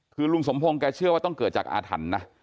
คือลุงสมพงศ์แกเชื่อว่าต้องเกิดจากอาถรรพ์นะ